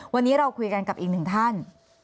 วันนี้เราคุยกันกับอีกหนึ่งท่าน